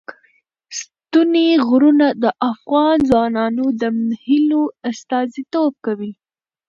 ستوني غرونه د افغان ځوانانو د هیلو استازیتوب کوي.